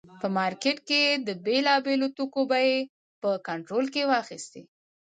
په مارکېټ کې یې د بېلابېلو توکو بیې په کنټرول کې واخیستې.